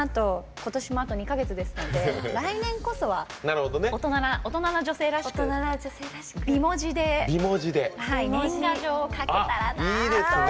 ことしも、あと２か月ですので来年こそは大人な女性らしく美文字で年賀状を書けたらなと。